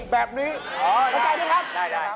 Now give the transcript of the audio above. แบบนี้เข้าใจไหมครับโอ้โฮได้